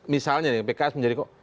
misalnya pks menjadi kok